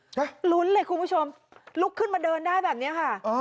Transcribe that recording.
ลุ้นเลยคุณผู้ชมลุกขึ้นมาเดินได้แบบนี้ค่ะ